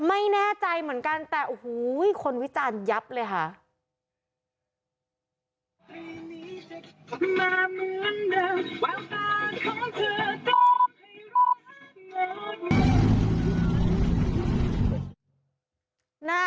ไม่แน่ใจเหมือนกันแต่โอ้โหคนวิจารณ์ยับเลยค่ะ